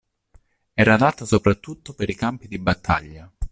Era adatta soprattutto per i campi di battaglia.